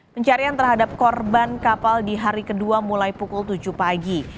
pencarian terhadap korban kapal di hari kedua mulai pukul tujuh pagi